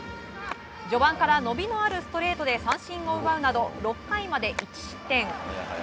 序盤から伸びのあるストレートで三振を奪うなど、６回まで１失点。